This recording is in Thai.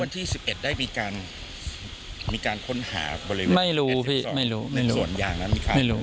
แล้วที่๑๑ได้มีการค้นหาบริเวณในสวนยางมันมีค่าตรงนั้น